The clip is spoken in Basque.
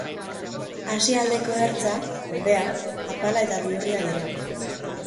Asia aldeko ertza, ordea, apala eta bihurria dira.